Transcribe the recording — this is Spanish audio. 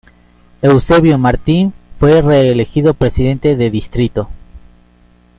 Eusebio Martin fue reelegido presidente de distrito.